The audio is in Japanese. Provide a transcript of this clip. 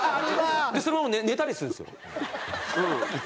でそのまま寝たりするんですよ。